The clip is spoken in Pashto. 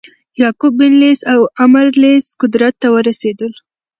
یعقوب بن لیث او عمرو لیث قدرت ته ورسېدل.